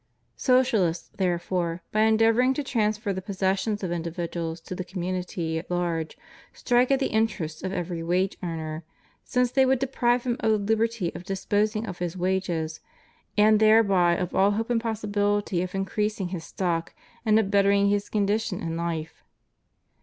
Socialists, therefore, by endeavoring to transfer the pos sessions of individuals to the community at large, strike at the interests of every wage earner, since they would deprive him of the liberty of disposing of his wages, and thereby of all hope and possibiUty of increasing his stock and of bettering his condition in life.